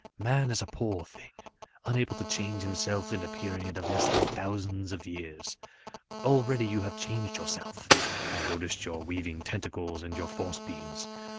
"Man is a poor thing, unable to change himself in a period of less than thousands of years. Already you have changed yourself. I noticed your weaving tentacles, and your force beams.